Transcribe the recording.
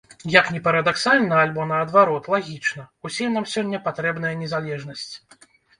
Як ні парадаксальна альбо, наадварот, лагічна, усім нам сёння патрэбная незалежнасць.